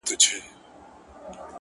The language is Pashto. • چي پیدا سوه د ماښام ډوډۍ حلاله ,